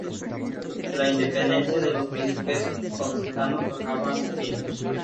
La independencia de los príncipes occitanos tocaba a su fin.